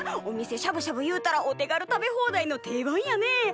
お店しゃぶしゃぶ言うたらお手軽食べ放題の定番やね。